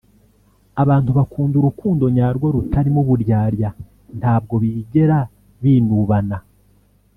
Abantu bakunda urukundo nyarwo rutarimo uburyarya ntabwo bigera binubana